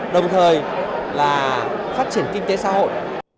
đồng thời là phát triển kinh tế xã hội